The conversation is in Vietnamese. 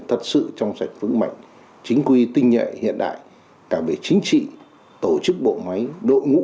thật sự trong sạch vững mạnh chính quy tinh nhuệ hiện đại cả về chính trị tổ chức bộ máy đội ngũ